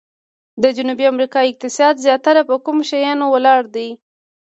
د جنوبي امریکا اقتصاد زیاتره په کومو شیانو ولاړ دی؟